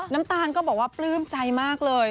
น้ำตาลก็บอกว่าปลื้มใจมากเลย